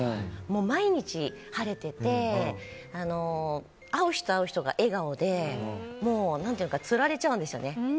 毎日、晴れてて会う人、会う人が笑顔でつられちゃうんですよね。